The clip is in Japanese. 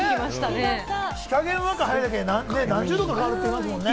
日陰に入るだけで何十度か変わるって言いますもんね。